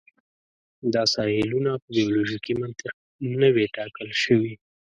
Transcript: دا ساحلونه په بیولوژیکي منطق نه وې ټاکل شوي.